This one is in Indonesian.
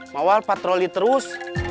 maual patroli terus